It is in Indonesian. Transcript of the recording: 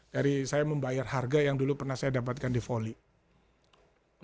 dari saya membayar harga yang dulu pernah saya dapatkan di volley